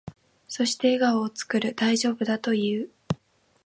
そして、笑顔を作る。大丈夫だと言う。